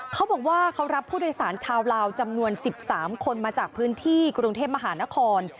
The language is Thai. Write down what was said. เขาบอกว่าเขารับผู้โดยสารชาวลาวจำนวน๑๓คนมาจากพื้นที่กรุงเทพมหานคร